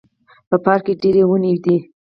په پارک کې ډیري وني دي